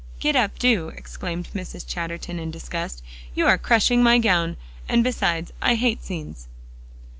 "Get up, do!" exclaimed Mrs. Chatterton, in disgust; "you are crushing my gown, and besides I hate scenes."